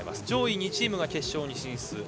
上位２チームが決勝に進出。